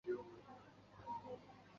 该公告所述和原先的赛程出现分歧。